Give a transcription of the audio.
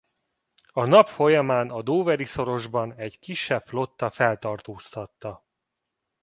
A nap folyamán a Doveri-szorosban egy kisebb flotta feltartóztatta.